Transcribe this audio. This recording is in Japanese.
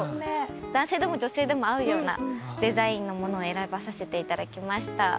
男性でも女性でも合うようなデザインのものを選ばさせていただきました。